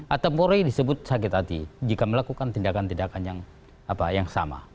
atau polri disebut sakit hati jika melakukan tindakan tindakan yang sama